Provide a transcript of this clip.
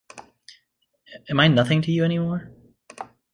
Am I nothing to you any more?